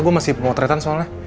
gua masih pemotretan soalnya